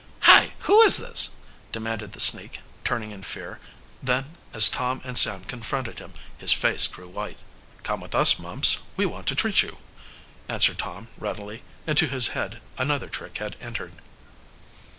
"Hi! who is this?" demanded the sneak, turning in fear. Then, as Tom and Sam confronted him, his face grew white. "Come with us, Mumps, we want to treat you," answered Tom readily, into whose head another trick had entered.